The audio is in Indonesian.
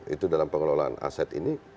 itu dalam pengelolaan aset ini